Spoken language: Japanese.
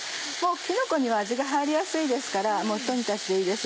きのこには味が入りやすいですからもうひと煮立ちでいいです。